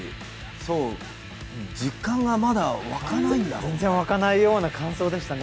実感がまだわかないんだろうね。